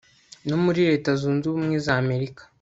no muri leta zunze ubumwe z'amerika